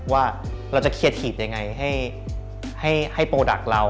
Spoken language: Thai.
ว่าเราจะเคลียร์ทีฟยังไงให้โปรดักต์เรา